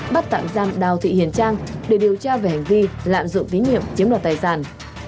bắt tạm giam đào thị hiền trang để điều tra về hành vi lạm dụng tín nhiệm chiếm đoạt tài sản